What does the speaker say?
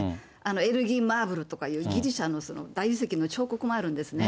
エルギーマーブルとかいうギリシャの大理石の彫刻もあるんですね。